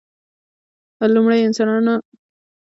لومړنيو انسانانو په نورو انساني ډولونو کې ځانګړې وړتیا نه درلودلې.